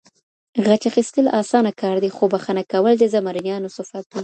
غچ اخیستل اسانه کار دی، خو بښنه کول د زمریانو صفت دی.